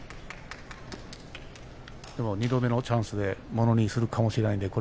２度目のチャンスをものにするかもしれません。